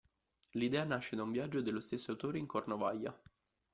L'idea nasce da un viaggio dello stesso autore in Cornovaglia.